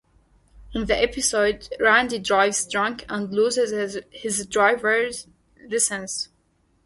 In the episode, Randy drives drunk and loses his driver's license.